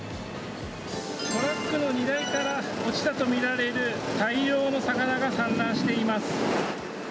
トラックの荷台から落ちたとみられる大量の魚が散乱しています。